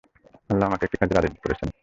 আল্লাহ আমাকে একটি কাজের আদেশ করেছেন।